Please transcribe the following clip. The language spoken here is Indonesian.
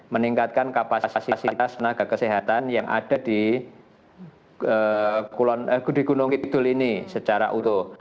meningkatkan kapasitas tenaga kesehatan yang ada di gunung kidul ini secara utuh